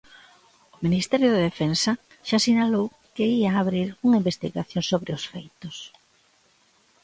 O ministerio de Defensa xa sinalou que ía abrir unha investigación sobre os feitos.